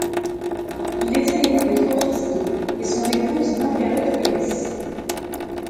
Il était l'aîné des trois fils de et son épouse Margarette Willes.